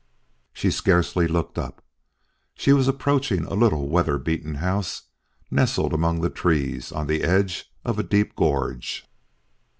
She scarcely looked up. She was approaching a little weather beaten house nestled among trees on the edge of a deep gorge.